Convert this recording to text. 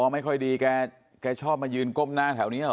ไม่ค่อยดีแกชอบมายืนก้มหน้าแถวนี้เหรอ